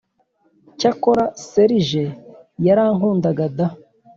cyokora serge yarankundaga da!